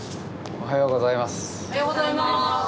おはようございます。